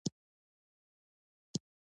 مور او پلار ته درناوی کول واجب دي.